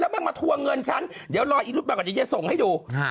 แล้วมันมาทั่วเงินฉันเดี๋ยวรออีลุปะก่อนจะเย็นส่งให้ดูฮะ